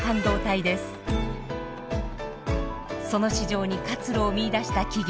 その市場に活路を見いだした企業。